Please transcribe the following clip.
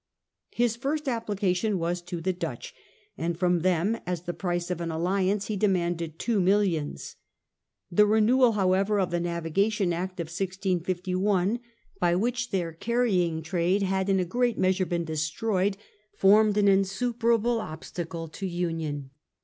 His first application was to the Dutch ; and from them, as the price of an alliance, he demanded two He applies m ^^ ons The renewal, however, of the Navi jo tch S a ti° n Act of 1651 (see p. 1 13), by which their usc 0 carrying trade had in a great measure been destroyed, formed an insuperable obstacle to union.